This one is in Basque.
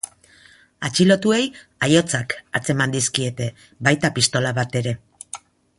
Atxilotuei aihotzak atzeman dizkiete, baita pistola bat ere.